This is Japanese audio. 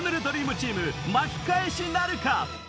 ドリームチーム巻き返しなるか？